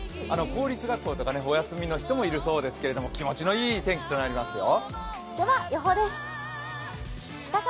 公立学校とかお休みの人とかいるそうですが気持ちのいい天気となりますよ。